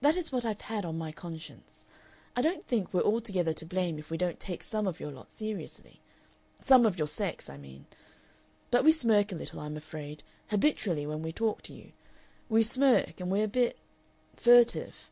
That is what I've had on my conscience.... I don't think we're altogether to blame if we don't take some of your lot seriously. Some of your sex, I mean. But we smirk a little, I'm afraid, habitually when we talk to you. We smirk, and we're a bit furtive."